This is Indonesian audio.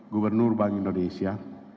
gubernur bank indonesia